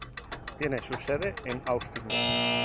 Tiene su sede en Austin.